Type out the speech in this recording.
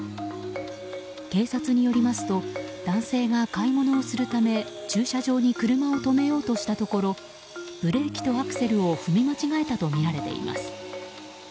警察によりますと男性が買い物をするため駐車場に車を止めようとしたところブレーキとアクセルを踏み間違えたとみられています。